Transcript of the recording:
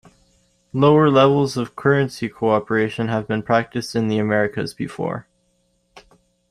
Lower levels of currency cooperation have been practiced in the Americas before.